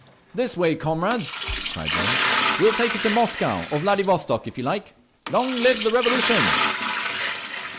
"This way, comrades!" cried one. "We will take you to Moscow—or Vladivostok, if you like! Long live the Revolution!"